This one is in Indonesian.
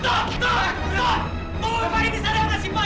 tak tidak ada pre premisesnya lagi